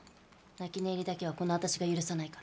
泣き寝入りだけはこの私が許さないから。